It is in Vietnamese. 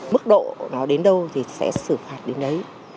mức độ nó đến đâu thì sẽ xử phạt đến đấy